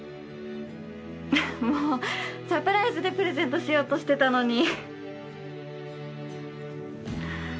もぉサプライズでプレゼントしようとしてたのに。